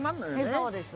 そうです。